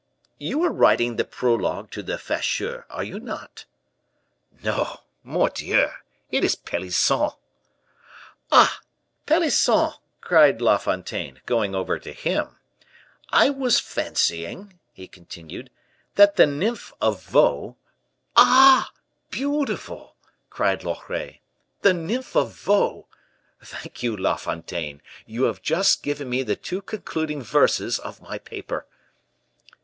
"You are writing the prologue to the 'Facheux,' are you not?" "No! mordieu! it is Pelisson." "Ah, Pelisson," cried La Fontaine, going over to him, "I was fancying," he continued, "that the nymph of Vaux " "Ah, beautiful!" cried Loret. "The nymph of Vaux! thank you, La Fontaine; you have just given me the two concluding verses of my paper."